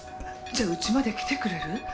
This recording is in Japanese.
「じゃあうちまで来てくれる？」